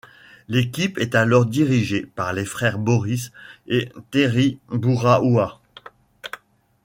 L'équipe est alors dirigée par les frères Boris et Terry Bouhraoua.